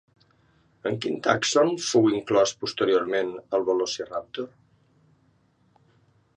En quin tàxon fou inclòs posteriorment el Velociraptor?